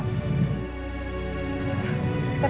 tapi kalimu bener